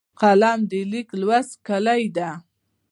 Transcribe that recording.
قلم د لیک لوست کلۍ ده